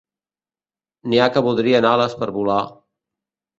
N'hi ha que voldrien ales per volar